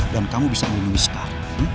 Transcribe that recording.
dan kamu bisa melindungi sekar